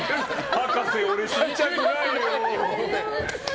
博士、俺死にたくないよ。